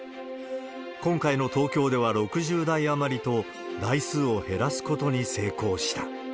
今回の東京では６０台余りと、台数を減らすことに成功した。